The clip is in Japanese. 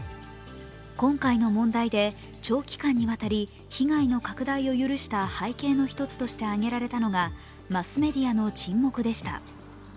今回の問題で長期間にわたり被害の拡大を許した背景の一つとして挙げられたのがマスメディアの沈黙でした。